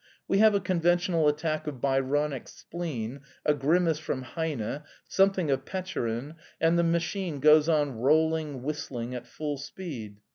We have a conventional attack of Byronic spleen, a grimace from Heine, something of Petchorin and the machine goes on rolling, whistling, at full speed.